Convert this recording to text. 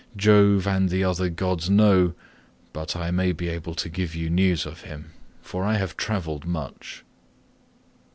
Jove and the other gods know, but I may be able to give you news of him, for I have travelled much."